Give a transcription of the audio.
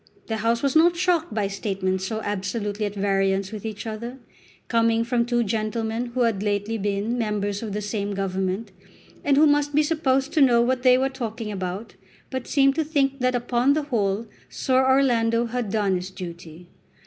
The House was not shocked by statements so absolutely at variance with each other, coming from two gentlemen who had lately been members of the same Government, and who must be supposed to know what they were talking about, but seemed to think that upon the whole Sir Orlando had done his duty.